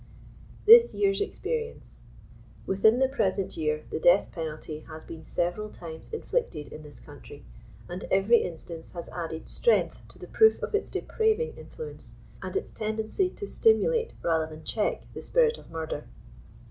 THIS year's experience. Within the present year the death penalty has been several times inflicted in this country, and every instance has added strength to the proof of its depraving influence, and its tendency to stimulate rather than check the spirit of murder.